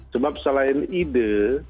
sebab selain ide